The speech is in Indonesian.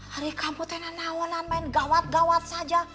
hari kamu tuh ga mau main gawat gawat saja